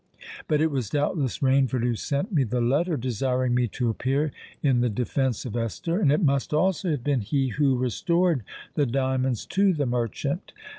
But it was doubtless Rainford who sent me the letter desiring me to appear in the defence of Esther; and it must also have been he who restored the diamonds to the merchant!